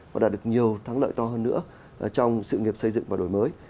và đạt được nhiều thắng lợi to hơn nữa trong sự nghiệp xây dựng và đổi mới